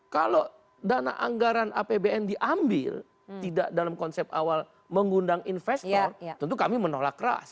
kalau dana anggaran apbn diambil tidak dalam konsep awal mengundang investor tentu kami menolak keras